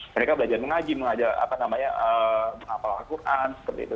mereka belajar mengaji mengajar apa namanya menghafal al quran seperti itu